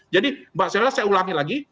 jadi mbak sela saya ulangi lagi